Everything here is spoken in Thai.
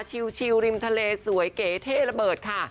ชิลริมทะเลสวยเก๋เท่ระเบิดค่ะ